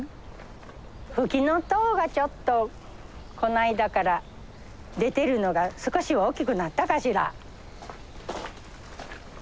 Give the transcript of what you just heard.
フキノトウがちょっとこの間から出てるのが少しは大きくなったかしら。